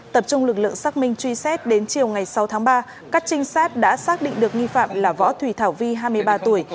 tập trung lực lượng xác minh truy xét đến chiều ngày sáu tháng ba các trinh sát đã xác định được nghi phạm là võ thủy thảo vi hai mươi ba tuổi